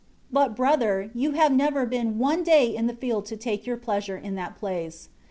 But brother, you have never been one day in the field to take your pleasure in that place.